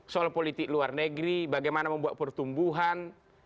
soal politik luar negeri bagaimana membuat pertumbuhan